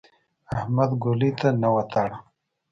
احمد ګولۍ ته نه وتاړه.